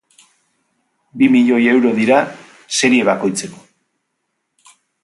Bi milioi euro dira serie bakoitzeko.